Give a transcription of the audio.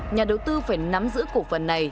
nhà đầu tư phải nắm giữ cổ phần này